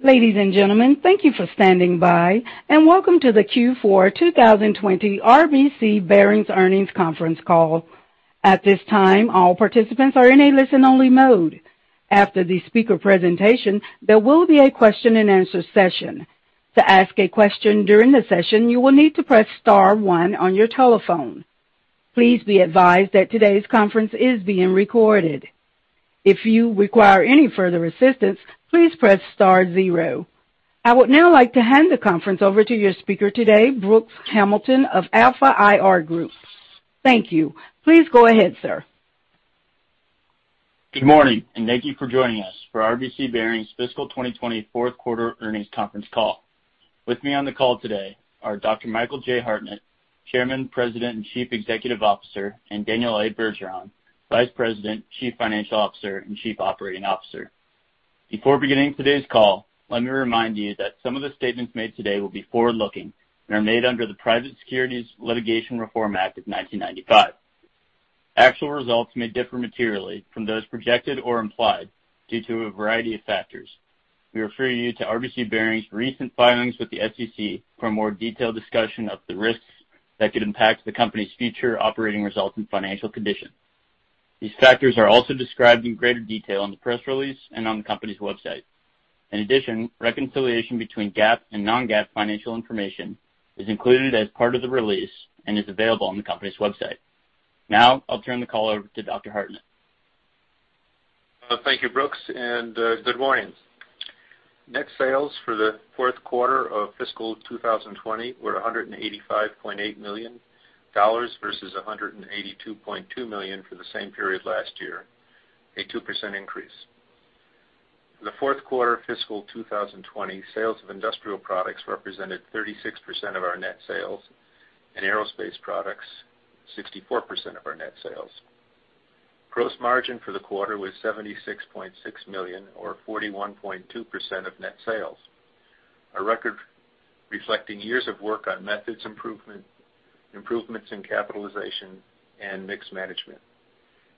Ladies and gentlemen, thank you for standing by, and welcome to the Q4 2020 RBC Bearings Earnings Conference call. At this time, all participants are in a listen-only mode. After the speaker presentation, there will be a question-and-answer session. To ask a question during the session, you will need to press star one on your telephone. Please be advised that today's conference is being recorded. If you require any further assistance, please press star zero. I would now like to hand the conference over to your speaker today, Brooks Hamilton of Alpha IR Group. Thank you. Please go ahead, sir. Good morning, and thank you for joining us for RBC Bearings Fiscal 2020 Fourth Quarter Earnings Conference call. With me on the call today are Dr. Michael J. Hartnett, Chairman, President, and Chief Executive Officer, and Daniel A. Bergeron, Vice President, Chief Financial Officer, and Chief Operating Officer. Before beginning today's call, let me remind you that some of the statements made today will be forward-looking and are made under the Private Securities Litigation Reform Act of 1995. Actual results may differ materially from those projected or implied due to a variety of factors. We refer you to RBC Bearings' recent filings with the SEC for a more detailed discussion of the risks that could impact the company's future operating results and financial conditions. These factors are also described in greater detail in the press release and on the company's website. In addition, reconciliation between GAAP and non-GAAP financial information is included as part of the release and is available on the company's website. Now I'll turn the call over to Dr. Hartnett. Thank you, Brooks, and good morning. Net sales for the fourth quarter of fiscal 2020 were $185.8 million versus $182.2 million for the same period last year, a 2% increase. For the fourth quarter of fiscal 2020, sales of industrial products represented 36% of our net sales, and aerospace products, 64% of our net sales. Gross margin for the quarter was $76.6 million or 41.2% of net sales, a record reflecting years of work on methods improvement, improvements in capitalization, and mixed management.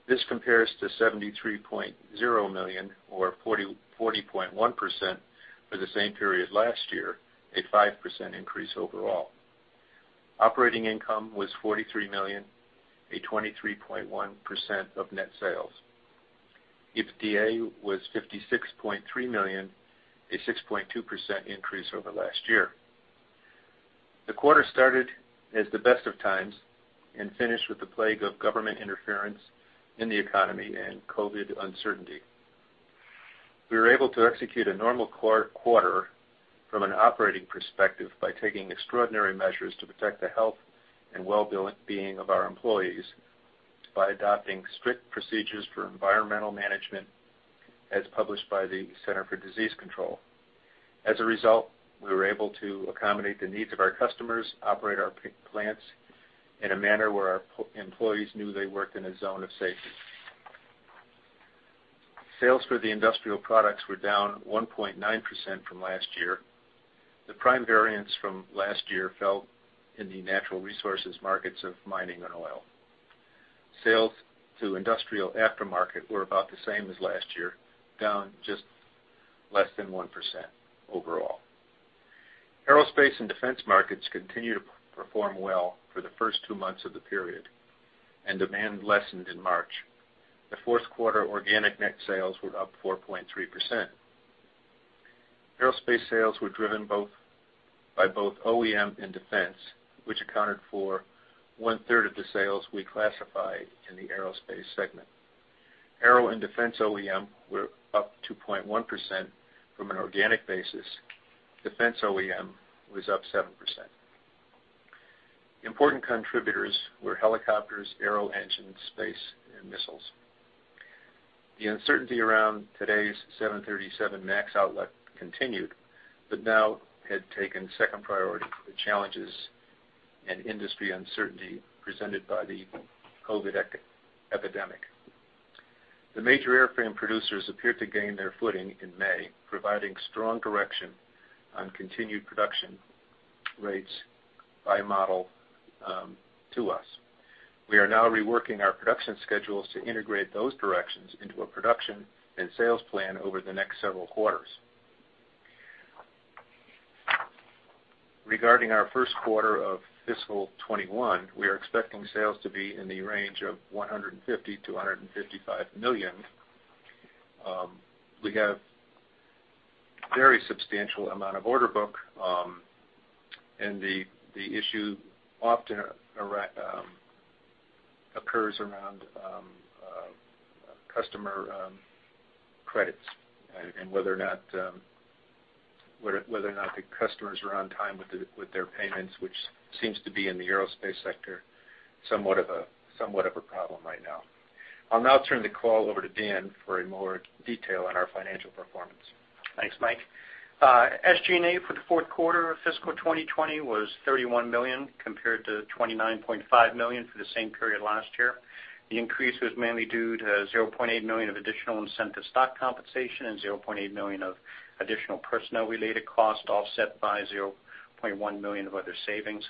This compares to $73.0 million or 40.1% for the same period last year, a 5% increase overall. Operating income was $43 million, a 23.1% of net sales. EBITDA was $56.3 million, a 6.2% increase over last year. The quarter started as the best of times and finished with the plague of government interference in the economy and COVID uncertainty. We were able to execute a normal quarter from an operating perspective by taking extraordinary measures to protect the health and well-being of our employees by adopting strict procedures for environmental management as published by the Centers for Disease Control. As a result, we were able to accommodate the needs of our customers, operate our plants in a manner where our employees knew they worked in a zone of safety. Sales for the industrial products were down 1.9% from last year. The prime variance from last year fell in the natural resources markets of mining and oil. Sales to industrial aftermarket were about the same as last year, down just less than 1% overall. Aerospace and defense markets continued to perform well for the first two months of the period, and demand lessened in March. The fourth quarter organic net sales were up 4.3%. Aerospace sales were driven by both OEM and defense, which accounted for one-third of the sales we classified in the aerospace segment. Aero and defense OEM were up 2.1% from an organic basis. Defense OEM was up 7%. Important contributors were helicopters, aero engines, space, and missiles. The uncertainty around today's 737 MAX outlook continued but now had taken second priority to the challenges and industry uncertainty presented by the COVID epidemic. The major airframe producers appeared to gain their footing in May, providing strong direction on continued production rates by model to us. We are now reworking our production schedules to integrate those directions into a production and sales plan over the next several quarters. Regarding our first quarter of fiscal 2021, we are expecting sales to be in the range of $150-$155 million. We have a very substantial amount of order book, and the issue often occurs around customer credits and whether or not the customers are on time with their payments, which seems to be in the aerospace sector somewhat of a problem right now. I'll now turn the call over to Dan for more detail on our financial performance. Thanks, Mike. SG&A for the fourth quarter of fiscal 2020 was $31 million compared to $29.5 million for the same period last year. The increase was mainly due to $0.8 million of additional incentive stock compensation and $0.8 million of additional personnel-related costs offset by $0.1 million of other savings.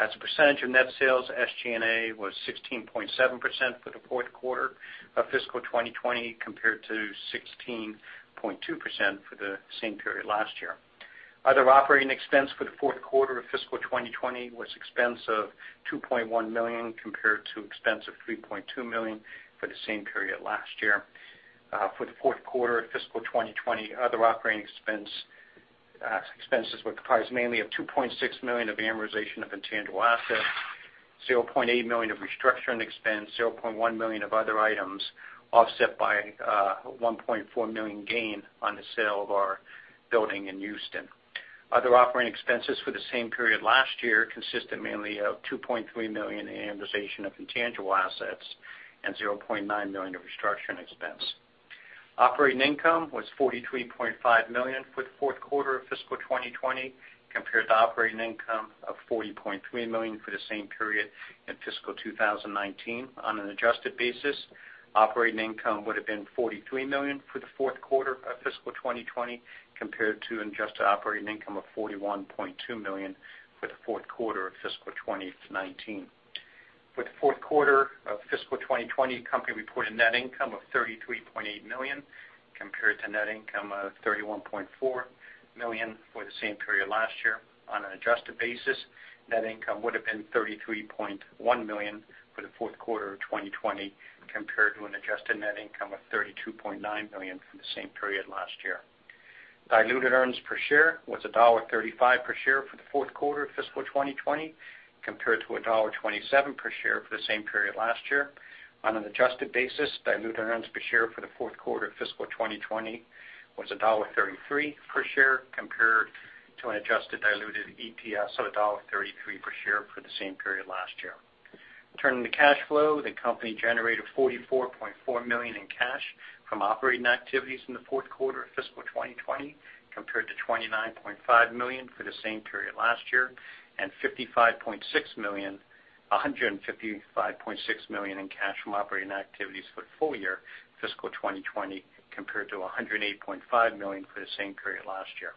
As a percentage of net sales, SG&A was 16.7% for the fourth quarter of fiscal 2020 compared to 16.2% for the same period last year. Other operating expense for the fourth quarter of fiscal 2020 was expense of $2.1 million compared to expense of $3.2 million for the same period last year. For the fourth quarter of fiscal 2020, other operating expenses were comprised mainly of $2.6 million of amortization of intangible assets, $0.8 million of restructuring expense, and $0.1 million of other items offset by $1.4 million gain on the sale of our building in Houston. Other operating expenses for the same period last year consisted mainly of $2.3 million in amortization of intangible assets and $0.9 million of restructuring expense. Operating income was $43.5 million for the fourth quarter of fiscal 2020 compared to operating income of $40.3 million for the same period in fiscal 2019. On an adjusted basis, operating income would have been $43 million for the fourth quarter of fiscal 2020 compared to an adjusted operating income of $41.2 million for the fourth quarter of fiscal 2019. For the fourth quarter of fiscal 2020, company reported net income of $33.8 million compared to net income of $31.4 million for the same period last year. On an adjusted basis, net income would have been $33.1 million for the fourth quarter of 2020 compared to an adjusted net income of $32.9 million for the same period last year. Diluted earnings per share was $1.35 per share for the fourth quarter of fiscal 2020 compared to $1.27 per share for the same period last year. On an adjusted basis, diluted earnings per share for the fourth quarter of fiscal 2020 was $1.33 per share compared to an adjusted diluted EPS of $1.33 per share for the same period last year. Turning to cash flow, the company generated $44.4 million in cash from operating activities in the fourth quarter of fiscal 2020 compared to $29.5 million for the same period last year and $55.6 million in cash from operating activities for the full year of fiscal 2020 compared to $108.5 million for the same period last year.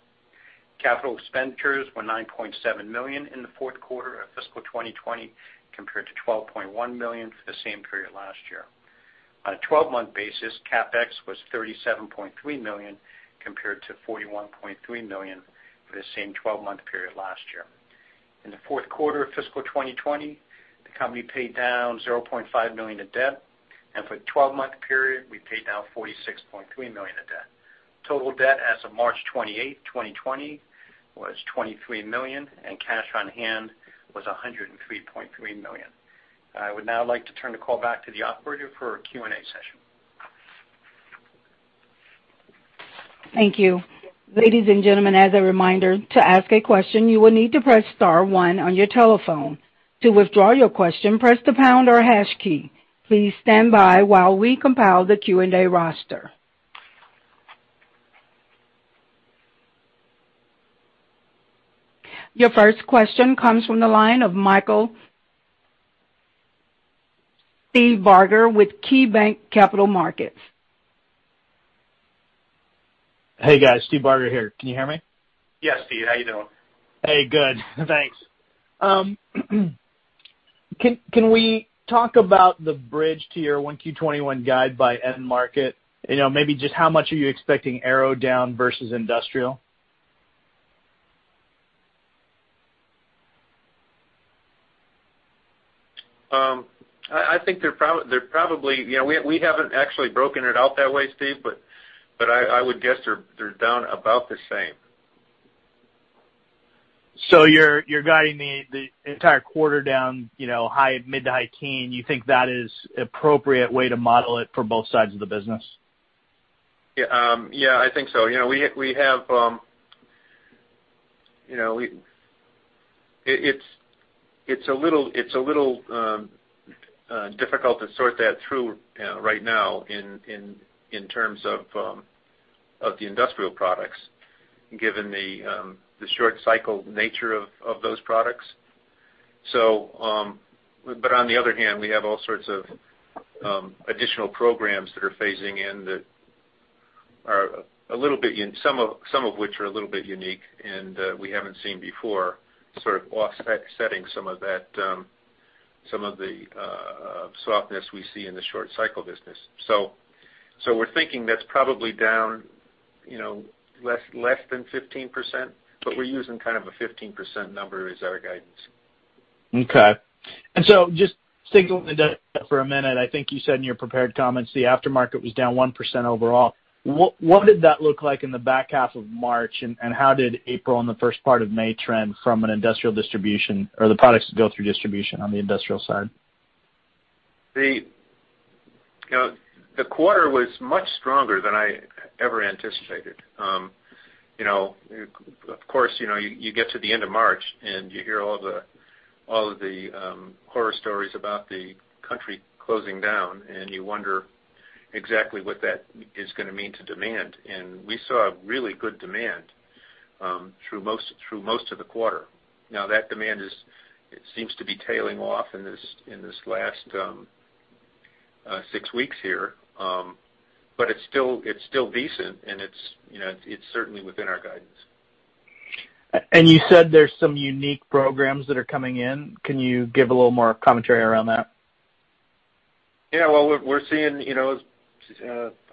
Capital expenditures were $9.7 million in the fourth quarter of fiscal 2020 compared to $12.1 million for the same period last year. On a 12-month basis, CapEx was $37.3 million compared to $41.3 million for the same 12-month period last year. In the fourth quarter of fiscal 2020, the company paid down $0.5 million of debt, and for the 12-month period, we paid down $46.3 million of debt. Total debt as of March 28, 2020, was $23 million, and cash on hand was $103.3 million. I would now like to turn the call back to the operator for a Q&A session. Thank you. Ladies and gentlemen, as a reminder, to ask a question, you will need to press star one on your telephone. To withdraw your question, press the pound or hash key. Please stand by while we compile the Q&A roster. Your first question comes from the line of Steve Barger with KeyBanc Capital Markets. Hey, guys. Steve Barger here. Can you hear me? Yes, Steve. How you doing? Hey, good. Thanks. Can we talk about the bridge to your 1Q21 guide by end market? Maybe just how much are you expecting aero down versus industrial? I think they're probably we haven't actually broken it out that way, Steve, but I would guess they're down about the same. So you're guiding the entire quarter down mid- to high-teens. You think that is an appropriate way to model it for both sides of the business? Yeah, I think so. We have, it's a little difficult to sort that through right now in terms of the industrial products, given the short-cycle nature of those products. But on the other hand, we have all sorts of additional programs that are phasing in, some of which are a little bit unique and we haven't seen before, sort of offsetting some of the softness we see in the short-cycle business. So we're thinking that's probably down less than 15%, but we're using kind of a 15% number as our guidance. Okay. And so just sticking with the data for a minute, I think you said in your prepared comments the aftermarket was down 1% overall. What did that look like in the back half of March, and how did April and the first part of May trend from an industrial distribution or the products that go through distribution on the industrial side? The quarter was much stronger than I ever anticipated. Of course, you get to the end of March, and you hear all of the horror stories about the country closing down, and you wonder exactly what that is going to mean to demand. We saw really good demand through most of the quarter. Now, that demand, it seems to be tailing off in this last six weeks here, but it's still decent, and it's certainly within our guidance. You said there's some unique programs that are coming in. Can you give a little more commentary around that? Yeah. Well, we're seeing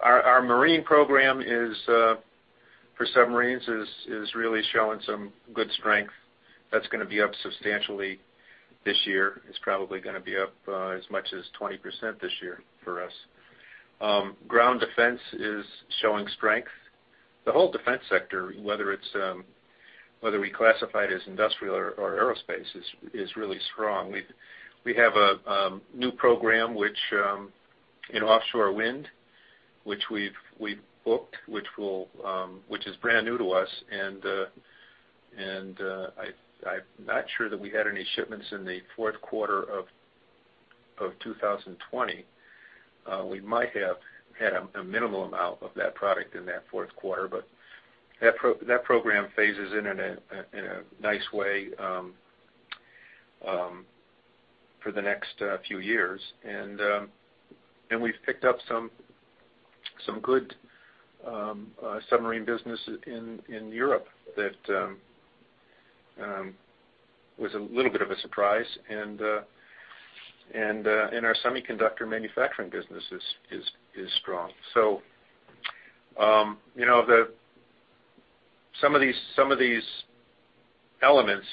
our marine program for submarines is really showing some good strength. That's going to be up substantially this year. It's probably going to be up as much as 20% this year for us. Ground defense is showing strength. The whole defense sector, whether we classify it as industrial or aerospace, is really strong. We have a new program in offshore wind which we've booked, which is brand new to us. And I'm not sure that we had any shipments in the fourth quarter of 2020. We might have had a minimal amount of that product in that fourth quarter, but that program phases in in a nice way for the next few years. And we've picked up some good submarine business in Europe that was a little bit of a surprise. And our semiconductor manufacturing business is strong. So some of these elements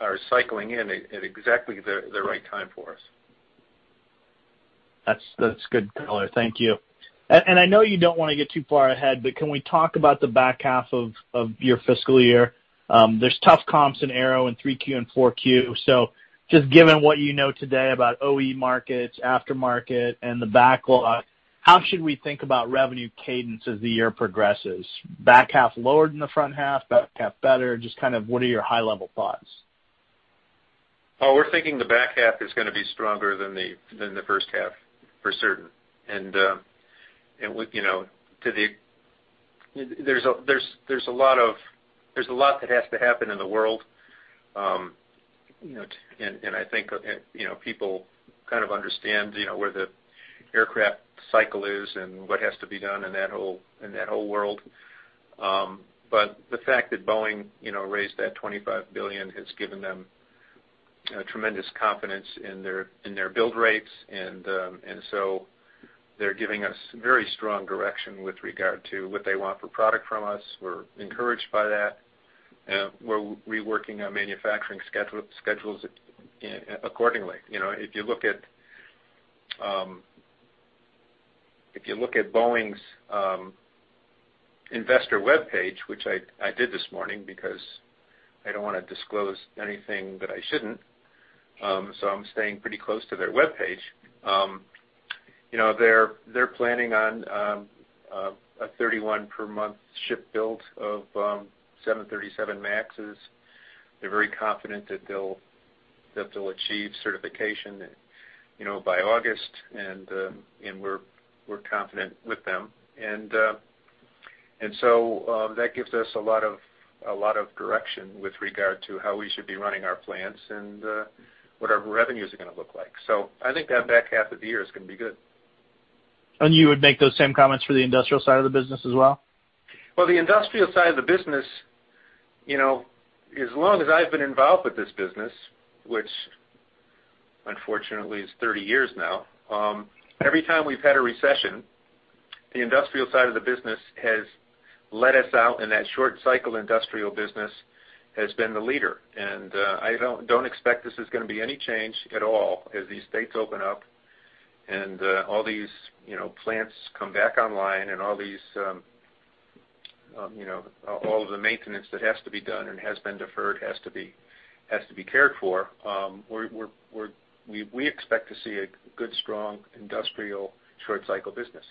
are cycling in at exactly the right time for us. That's good color. Thank you. And I know you don't want to get too far ahead, but can we talk about the back half of your fiscal year? There's tough comps in aero in 3Q and 4Q. So just given what you know today about OE markets, aftermarket, and the backlog, how should we think about revenue cadence as the year progresses? Back half lower than the front half, back half better? Just kind of what are your high-level thoughts? We're thinking the back half is going to be stronger than the first half, for certain. And to that, there's a lot that has to happen in the world, and I think people kind of understand where the aircraft cycle is and what has to be done in that whole world. But the fact that Boeing raised that $25 billion has given them tremendous confidence in their build rates, and so they're giving us very strong direction with regard to what they want for product from us. We're encouraged by that. We're reworking our manufacturing schedules accordingly. If you look at Boeing's investor web page, which I did this morning because I don't want to disclose anything that I shouldn't, so I'm staying pretty close to their web page, they're planning on a 31 per month ship build of 737 MAXes. They're very confident that they'll achieve certification by August, and we're confident with them. And so that gives us a lot of direction with regard to how we should be running our plants and what our revenues are going to look like. So I think that back half of the year is going to be good. You would make those same comments for the industrial side of the business as well? Well, the industrial side of the business, as long as I've been involved with this business, which unfortunately is 30 years now, every time we've had a recession, the industrial side of the business has led us out, and that short-cycle industrial business has been the leader. I don't expect this is going to be any change at all as these gates open up and all these plants come back online and all of the maintenance that has to be done and has been deferred has to be cared for. We expect to see a good, strong, industrial, short-cycle business.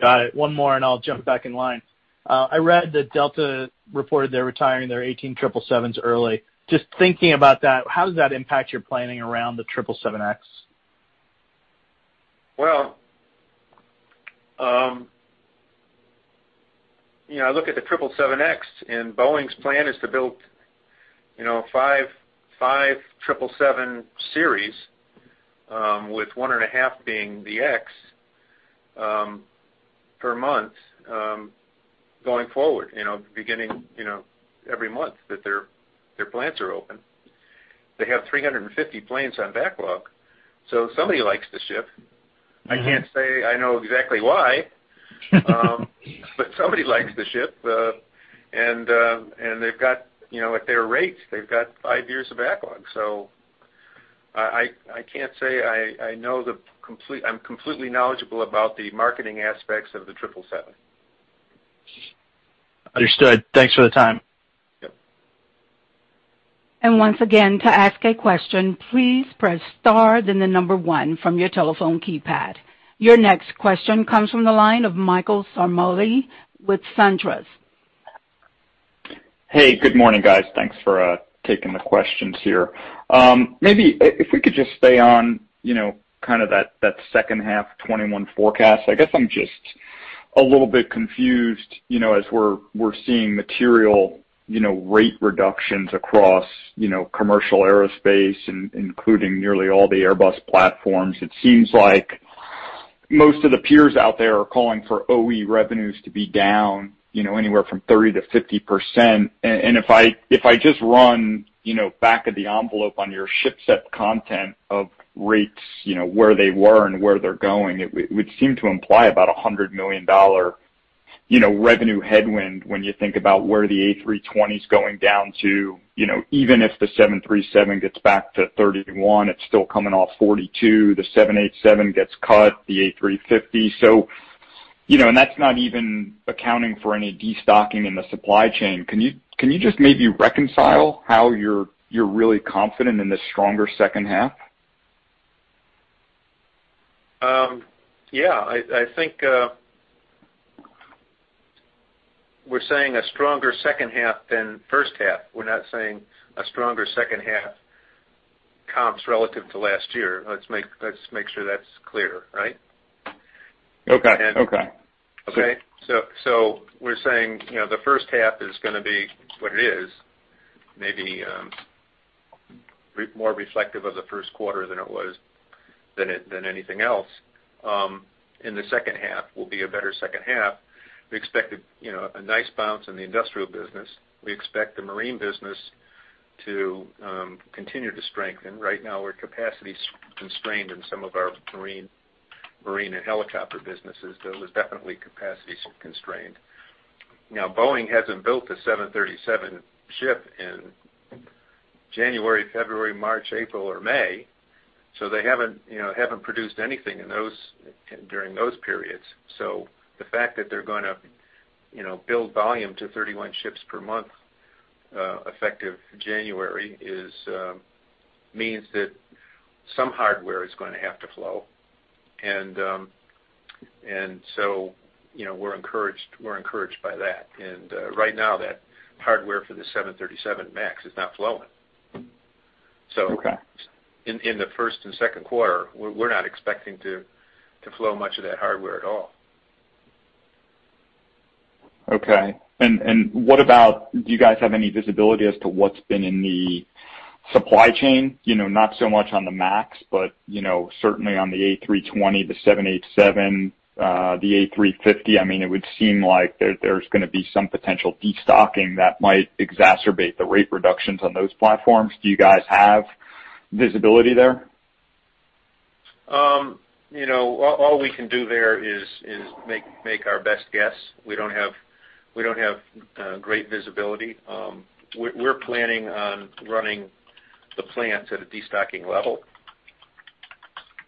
Got it. One more, and I'll jump back in line. I read that Delta reported they're retiring their 777s early. Just thinking about that, how does that impact your planning around the 777X? Well, I look at the 777X, and Boeing's plan is to build 5 777 series, with 1.5 being the X, per month going forward, beginning every month that their plants are open. They have 350 planes on backlog, so somebody likes the ship. I can't say I know exactly why, but somebody likes the ship. And they've got at their rates, they've got 5 years of backlog. So I can't say I know. I'm completely knowledgeable about the marketing aspects of the 777. Understood. Thanks for the time. Yep. Once again, to ask a question, please press star then the number one from your telephone keypad. Your next question comes from the line of Michael Ciarmoli with SunTrust. Hey, good morning, guys. Thanks for taking the questions here. Maybe if we could just stay on kind of that second half 2021 forecast. I guess I'm just a little bit confused as we're seeing material rate reductions across commercial aerospace, including nearly all the Airbus platforms. It seems like most of the peers out there are calling for OE revenues to be down anywhere from 30%-50%. And if I just run back of the envelope on your ship set content of rates, where they were and where they're going, it would seem to imply about a $100 million revenue headwind when you think about where the A320 is going down to. Even if the 737 gets back to 31, it's still coming off 42. The 787 gets cut, the A350. And that's not even accounting for any destocking in the supply chain. Can you just maybe reconcile how you're really confident in this stronger second half? Yeah. I think we're saying a stronger second half than first half. We're not saying a stronger second half comps relative to last year. Let's make sure that's clear, right? Okay. Okay. Okay? So we're saying the first half is going to be what it is, maybe more reflective of the first quarter than it was than anything else. And the second half will be a better second half. We expect a nice bounce in the industrial business. We expect the marine business to continue to strengthen. Right now, we're capacity constrained in some of our marine and helicopter businesses, but it was definitely capacity constrained. Now, Boeing hasn't built the 737 ship in January, February, March, April, or May, so they haven't produced anything during those periods. So the fact that they're going to build volume to 31 ships per month effective January means that some hardware is going to have to flow. And so we're encouraged by that. And right now, that hardware for the 737 MAX is not flowing. In the first and second quarter, we're not expecting to flow much of that hardware at all. Okay. Do you guys have any visibility as to what's been in the supply chain? Not so much on the MAX, but certainly on the A320, the 787, the A350. I mean, it would seem like there's going to be some potential destocking that might exacerbate the rate reductions on those platforms. Do you guys have visibility there? All we can do there is make our best guess. We don't have great visibility. We're planning on running the plants at a destocking level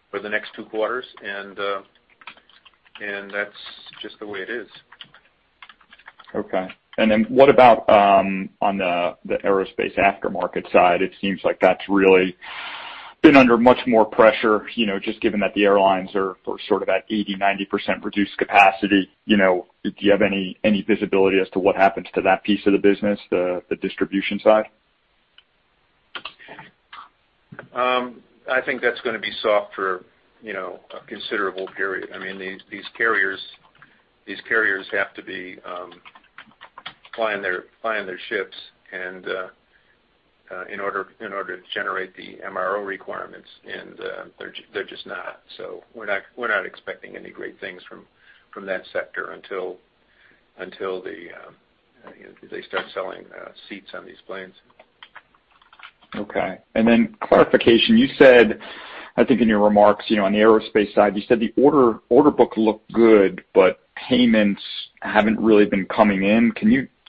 for the next two quarters, and that's just the way it is. Okay. And then what about on the aerospace aftermarket side? It seems like that's really been under much more pressure, just given that the airlines are sort of at 80%-90% reduced capacity. Do you have any visibility as to what happens to that piece of the business, the distribution side? I think that's going to be soft for a considerable period. I mean, these carriers have to be flying their ships in order to generate the MRO requirements, and they're just not. So we're not expecting any great things from that sector until they start selling seats on these planes. Okay. And then clarification, you said, I think in your remarks on the aerospace side, you said the order book looked good, but payments haven't really been coming in.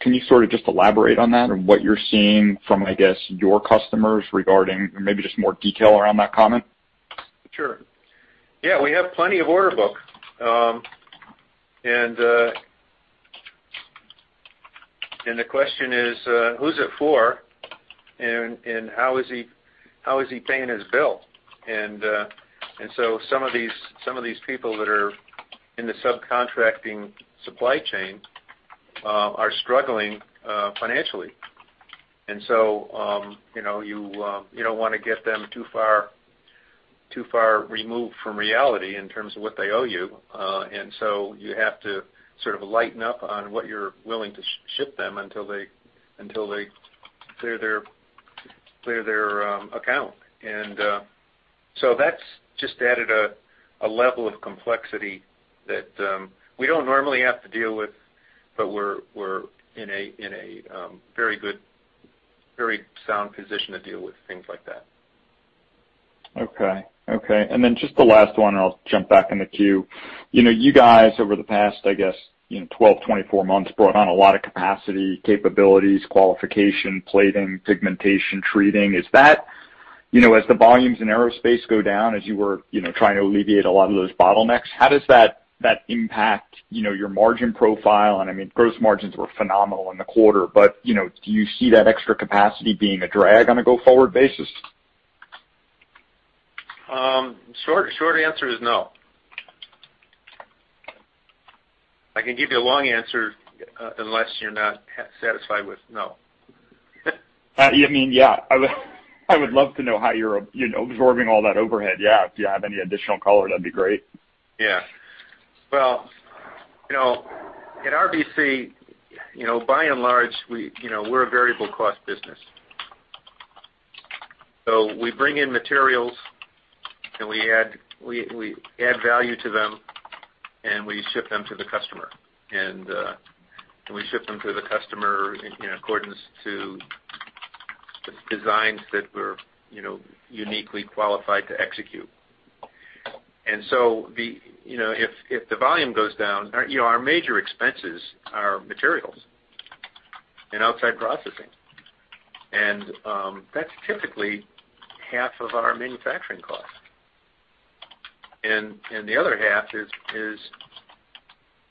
Can you sort of just elaborate on that and what you're seeing from, I guess, your customers regarding maybe just more detail around that comment? Sure. Yeah. We have plenty of order book. And the question is, who's it for, and how is he paying his bill? And so some of these people that are in the subcontracting supply chain are struggling financially. And so you don't want to get them too far removed from reality in terms of what they owe you. And so you have to sort of lighten up on what you're willing to ship them until they clear their account. And so that's just added a level of complexity that we don't normally have to deal with, but we're in a very good, very sound position to deal with things like that. Okay. Okay. And then just the last one, and I'll jump back in the queue. You guys, over the past, I guess, 12-24 months, brought on a lot of capacity, capabilities, qualification, plating, pigmentation, treating. As the volumes in aerospace go down, as you were trying to alleviate a lot of those bottlenecks, how does that impact your margin profile? And I mean, gross margins were phenomenal in the quarter, but do you see that extra capacity being a drag on a go-forward basis? Short answer is no. I can give you a long answer unless you're not satisfied with no. You mean, yeah. I would love to know how you're absorbing all that overhead. Yeah. If you have any additional color, that'd be great. Yeah. Well, at RBC, by and large, we're a variable-cost business. We bring in materials, and we add value to them, and we ship them to the customer. We ship them to the customer in accordance to the designs that we're uniquely qualified to execute. So if the volume goes down, our major expenses are materials and outside processing. That's typically half of our manufacturing cost. The other half is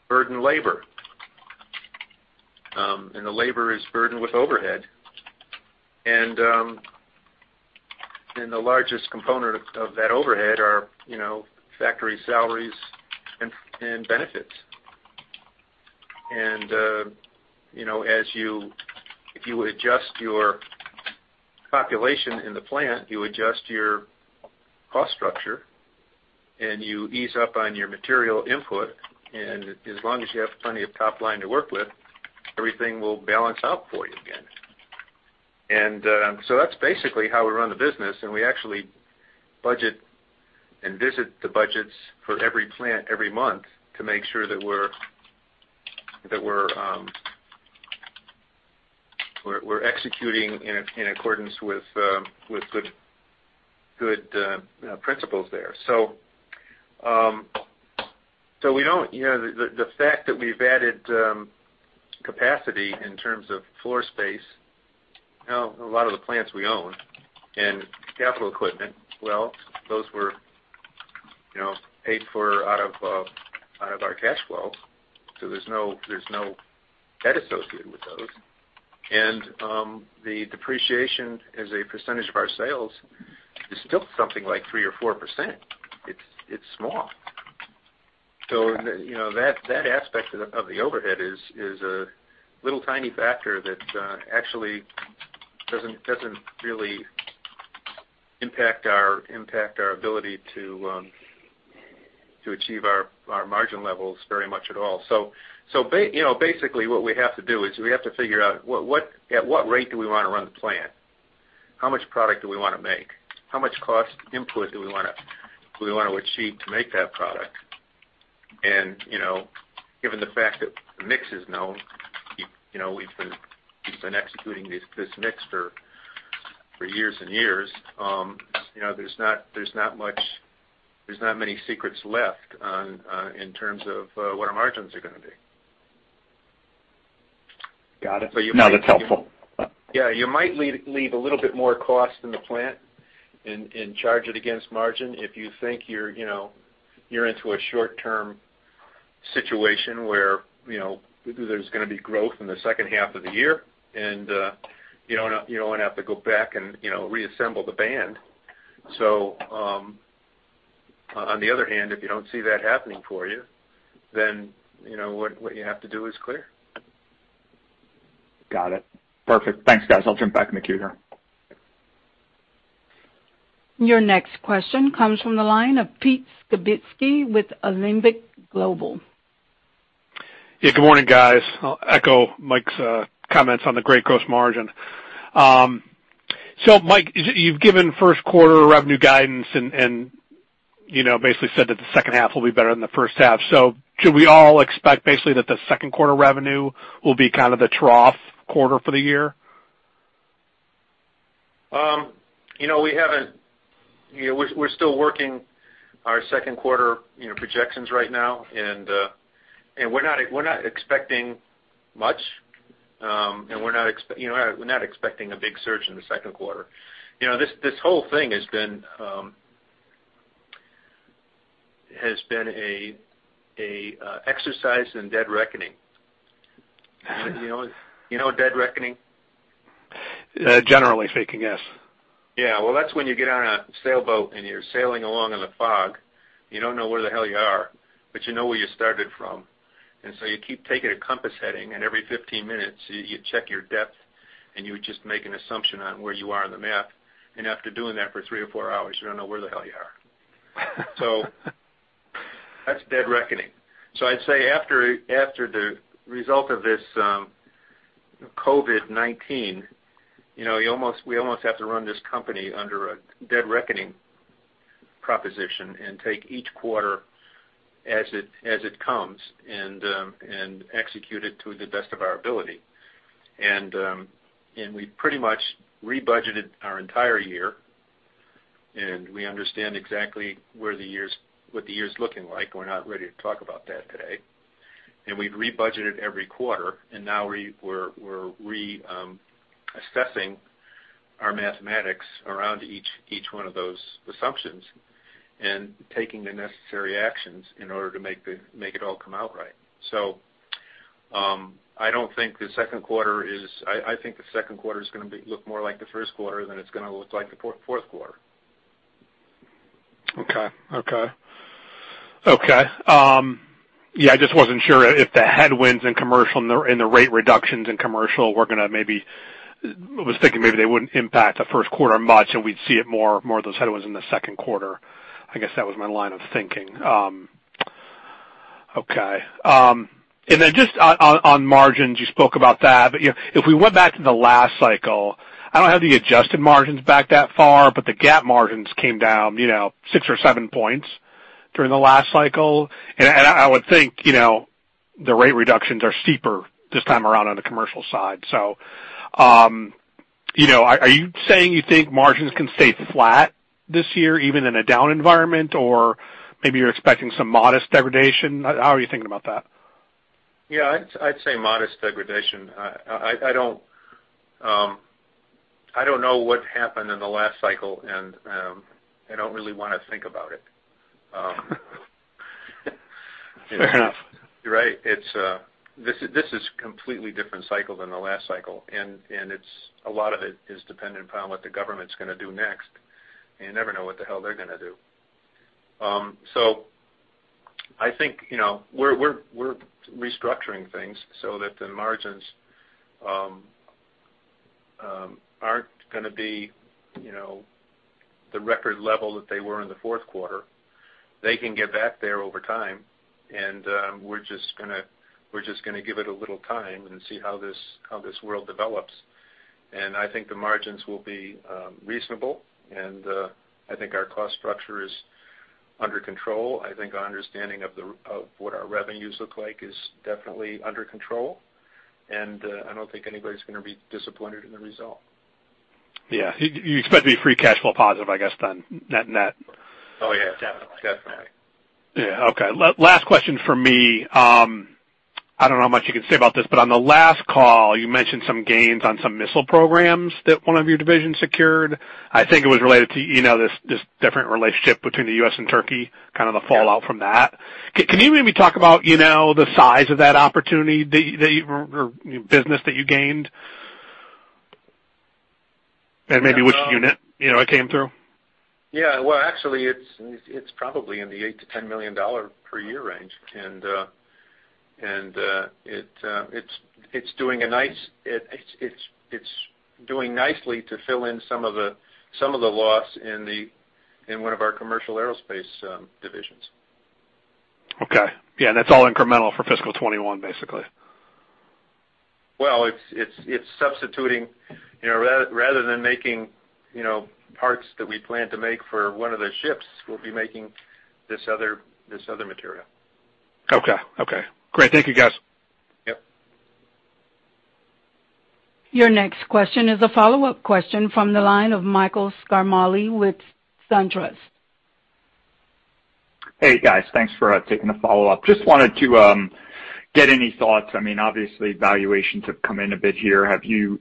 burdened labor. The labor is burdened with overhead. The largest component of that overhead are factory salaries and benefits. If you adjust your population in the plant, you adjust your cost structure, and you ease up on your material input. As long as you have plenty of top line to work with, everything will balance out for you again. That's basically how we run the business. We actually budget and visit the budgets for every plant every month to make sure that we're executing in accordance with good principles there. So we don't mind the fact that we've added capacity in terms of floor space, a lot of the plants we own and capital equipment, well, those were paid for out of our cash flow, so there's no debt associated with those. And the depreciation as a percentage of our sales is still something like 3%-4%. It's small. So that aspect of the overhead is a little tiny factor that actually doesn't really impact our ability to achieve our margin levels very much at all. So basically, what we have to do is we have to figure out, at what rate do we want to run the plant? How much product do we want to make? How much cost input do we want to achieve to make that product? Given the fact that the mix is known, we've been executing this mix for years and years, there's not many secrets left in terms of what our margins are going to be. Got it. Now that's helpful. Yeah. You might leave a little bit more cost in the plant and charge it against margin if you think you're into a short-term situation where there's going to be growth in the second half of the year, and you don't want to have to go back and reassemble the band. So on the other hand, if you don't see that happening for you, then what you have to do is clear. Got it. Perfect. Thanks, guys. I'll jump back in the queue here. Your next question comes from the line of Pete Skibitski with Alembic Global. Yeah. Good morning, guys. I'll echo Mike's comments on the great gross margin. So Mike, you've given first quarter revenue guidance and basically said that the second half will be better than the first half. So should we all expect basically that the second quarter revenue will be kind of the trough quarter for the year? We haven't. We're still working our second quarter projections right now, and we're not expecting much, and we're not expecting a big surge in the second quarter. This whole thing has been an exercise in dead reckoning. You know what dead reckoning? Generally speaking, yes. Yeah. Well, that's when you get on a sailboat and you're sailing along in the fog. You don't know where the hell you are, but you know where you started from. And so you keep taking a compass heading, and every 15 minutes, you check your depth, and you would just make an assumption on where you are on the map. And after doing that for three or four hours, you don't know where the hell you are. So that's dead reckoning. So I'd say after the result of this COVID-19, we almost have to run this company under a dead reckoning proposition and take each quarter as it comes and execute it to the best of our ability. And we pretty much rebudgeted our entire year, and we understand exactly what the year's looking like. We're not ready to talk about that today. We've rebudgeted every quarter, and now we're reassessing our mathematics around each one of those assumptions and taking the necessary actions in order to make it all come out right. So I don't think the second quarter is I think the second quarter is going to look more like the first quarter than it's going to look like the fourth quarter. Okay. Okay. Okay. Yeah. I just wasn't sure if the headwinds in commercial and the rate reductions in commercial were going to maybe I was thinking maybe they wouldn't impact the first quarter much, and we'd see more of those headwinds in the second quarter. I guess that was my line of thinking. Okay. And then just on margins, you spoke about that. But if we went back to the last cycle, I don't have the adjusted margins back that far, but the gap margins came down six or seven points during the last cycle. And I would think the rate reductions are steeper this time around on the commercial side. So are you saying you think margins can stay flat this year even in a down environment, or maybe you're expecting some modest degradation? How are you thinking about that? Yeah. I'd say modest degradation. I don't know what happened in the last cycle, and I don't really want to think about it. Fair enough. You're right. This is a completely different cycle than the last cycle, and a lot of it is dependent upon what the government's going to do next. You never know what the hell they're going to do. I think we're restructuring things so that the margins aren't going to be the record level that they were in the fourth quarter. They can get back there over time, and we're just going to give it a little time and see how this world develops. I think the margins will be reasonable, and I think our cost structure is under control. I think our understanding of what our revenues look like is definitely under control, and I don't think anybody's going to be disappointed in the result. Yeah. You expect to be free cash flow positive, I guess, then, net? Oh, yeah. Definitely. Definitely. Yeah. Okay. Last question from me. I don't know how much you can say about this, but on the last call, you mentioned some gains on some missile programs that one of your divisions secured. I think it was related to this different relationship between the U.S. and Turkey, kind of the fallout from that. Can you maybe talk about the size of that opportunity or business that you gained and maybe which unit it came through? Yeah. Well, actually, it's probably in the $8 million-$10 million per year range. It's doing nicely to fill in some of the loss in one of our commercial aerospace divisions. Okay. Yeah. That's all incremental for fiscal 2021, basically? Well, it's substituting rather than making parts that we plan to make for one of the ships, we'll be making this other material. Okay. Okay. Great. Thank you, guys. Yep. Your next question is a follow-up question from the line of Michael Ciarmoli with SunTrust. Hey, guys. Thanks for taking the follow-up. Just wanted to get any thoughts. I mean, obviously, valuations have come in a bit here. Have you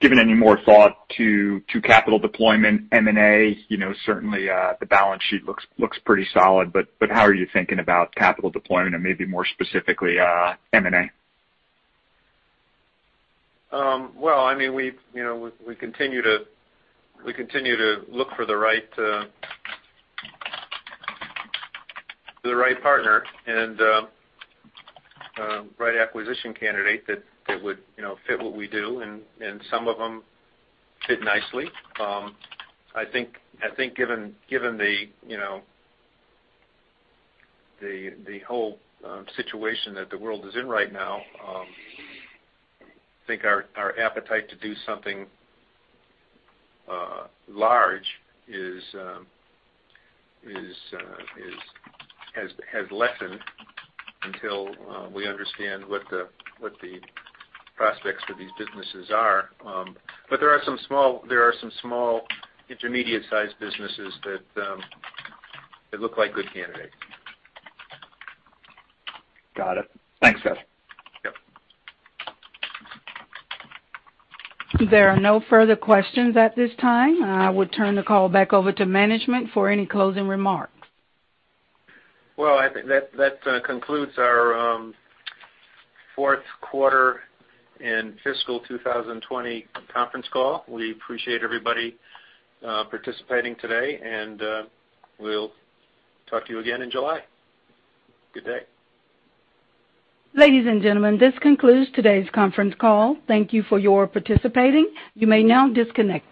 given any more thought to capital deployment, M&A? Certainly, the balance sheet looks pretty solid, but how are you thinking about capital deployment and maybe more specifically M&A? Well, I mean, we continue to look for the right partner and right acquisition candidate that would fit what we do, and some of them fit nicely. I think given the whole situation that the world is in right now, I think our appetite to do something large has lessened until we understand what the prospects for these businesses are. But there are some small intermediate-sized businesses that look like good candidates. Got it. Thanks, guys. Yep. There are no further questions at this time. I would turn the call back over to management for any closing remarks. Well, I think that concludes our fourth quarter and fiscal 2020 conference call. We appreciate everybody participating today, and we'll talk to you again in July. Good day. Ladies and gentlemen, this concludes today's conference call. Thank you for participating. You may now disconnect.